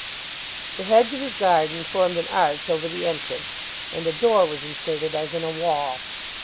The hedge of his garden formed an arch over the entrance, and a door was inserted as in a wall.